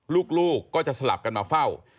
ลูกก็จะสลับกันมาเฝ้า